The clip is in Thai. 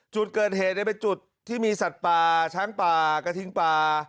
จุดเกิดเหตุเป็นจุดที่มีสัตว์ป่าช้างป่ากระทิงป่า